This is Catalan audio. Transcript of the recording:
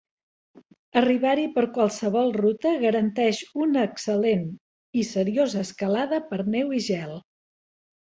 Arribar-hi per qualsevol ruta garanteix una "excel·lent i seriosa escalada per neu i gel".